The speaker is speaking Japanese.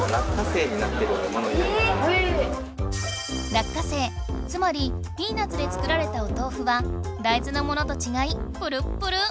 落花生つまりピーナツで作られたおとうふは大豆のものとちがいプルップル！